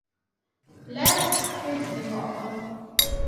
Lev Kuznecov